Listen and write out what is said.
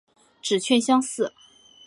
指券相似。